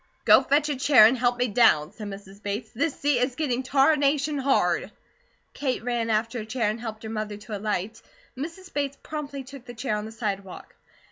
"Go fetch a chair and help me down," said Mrs. Bates, "this seat is getting tarnation hard." Kate ran after a chair, and helped her mother to alight. Mrs. Bates promptly took the chair, on the sidewalk.